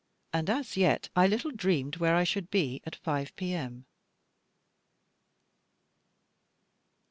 And, as yet, I little dreamed where I should be at five P.M.